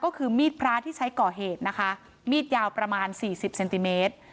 ก็คือมีดพระที่ใช้ก่อเหตุนะคะมีดยาวประมาณสี่สิบเซนติเมตร